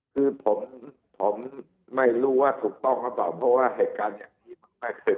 คือผมไม่รู้ว่าถูกต้องหรือเปล่าเพราะว่าเหตุการณ์อย่างที่มันมากขึ้น